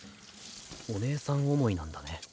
お姉さん思いなんだね。